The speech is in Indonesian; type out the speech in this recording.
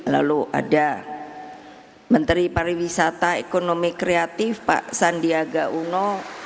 lalu ada menteri pariwisata ekonomi kreatif pak sandiaga uno